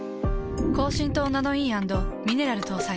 高浸透ナノイー＆ミネラル搭載。